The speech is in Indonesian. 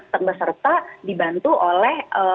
terbeserta dibantu oleh